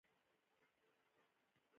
مهاجرت کړی دی.